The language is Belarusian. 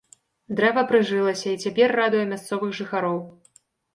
Дрэва прыжылася і цяпер радуе мясцовых жыхароў.